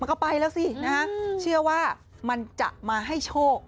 ก็ไปแล้วสินะฮะเชื่อว่ามันจะมาให้โชค